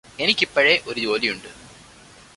എനിക്കിപ്പഴേ ഒരു ജോലിയുണ്ട്